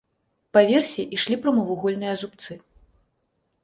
Па версе ішлі прамавугольныя зубцы.